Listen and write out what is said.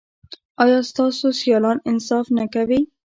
ایا ستاسو سیالان انصاف نه کوي؟